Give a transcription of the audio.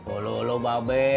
ulu ulu mbak be